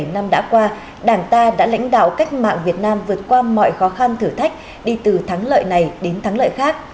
bảy mươi năm đã qua đảng ta đã lãnh đạo cách mạng việt nam vượt qua mọi khó khăn thử thách đi từ thắng lợi này đến thắng lợi khác